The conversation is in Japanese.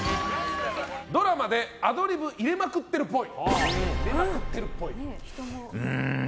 ドラマでアドリブ入れまくってるっぽい。